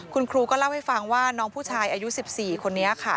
คุณครูก็เล่าให้ฟังว่าน้องผู้ชายอายุ๑๔คนนี้ค่ะ